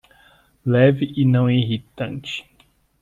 Leve e não irritante